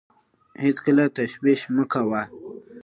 هېڅکله تشویش مه کوه .